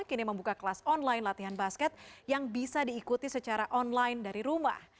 kini membuka kelas online latihan basket yang bisa diikuti secara online dari rumah